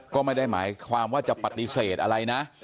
ก็ไม่ได้หมายความว่าจะปฏิเสธอะไรนะ